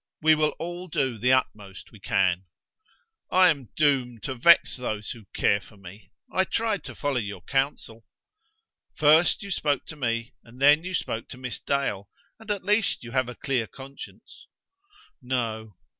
"We will all do the utmost we can." "I am doomed to vex those who care for me. I tried to follow your counsel." "First you spoke to me, and then you spoke to Miss Dale; and at least you have a clear conscience." "No."